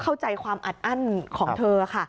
เข้าใจความอัดอั้นของเธอค่ะ